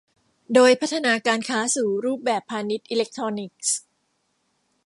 โดยพัฒนาการค้าสู่รูปแบบพาณิชย์อิเล็กทรอนิกส์